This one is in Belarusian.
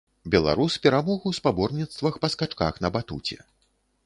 Беларус перамог у спаборніцтвах па скачках на батуце.